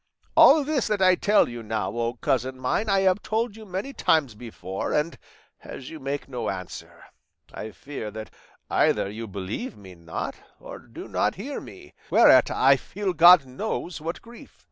All this that I tell you now, O cousin mine, I have told you many times before, and as you make no answer, I fear that either you believe me not, or do not hear me, whereat I feel God knows what grief.